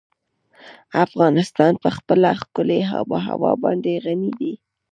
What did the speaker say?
افغانستان په خپله ښکلې آب وهوا باندې غني دی.